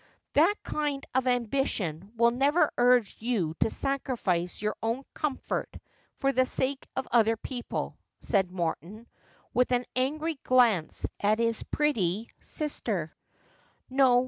'That kind of ambition will never urge you to sacrifice your own comfort for the sake of other people,' said Morton, with an angry glance at his pretty sister.